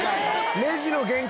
レジの限界？